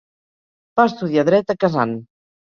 Va estudiar Dret a Kazan.